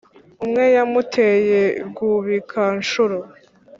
uwe yamuteye rwubikanshuro